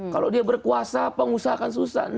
kalau dia berkuasa apa usahakan susah